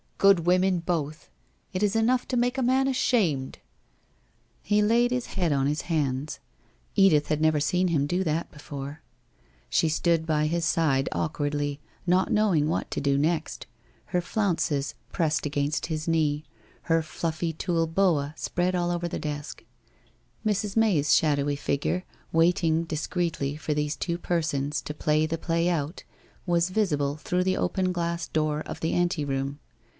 Good women, both ! It is enough to make a man ashamed !' He laid his head on his hands. Edith had never seen him do that before. She stood by his side, awkwardly, not knowing what to do next, her flounces pressed against WHITE ROSE OF WEARY LEAF 423 his knee, her fluffy tulle boa spread all over the desk. Mrs. May's shadowy figure, waiting discreetly for these two per sons to play the play out, was visible through the open glass door of the anteroom.